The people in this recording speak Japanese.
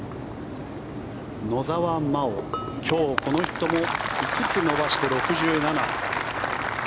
野澤真央、今日この人も５つ伸ばして６７。